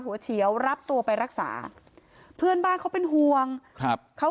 เฉียวรับตัวไปรักษาเพื่อนบ้านเขาเป็นห่วงครับเขา